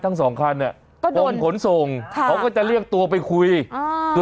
มาทั้งสองคันเนี่ยต้นหนศงเขาก็จะเรียกตัวไปคุยจนก็จะถามทางดูสิครับ